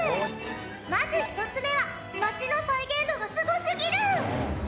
まず１つ目は街の再現度がすごすぎる！